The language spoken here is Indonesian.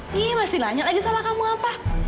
nih masih lanjut lagi salah kamu apa